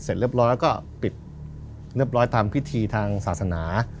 เสร็จเรียบร้อยแล้วก็ปิดเรียบร้อยตามพิธีทางศาสนา